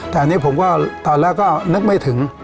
แต่อันนี้ผมก็ตอนแรกก็นึกไม่ถึง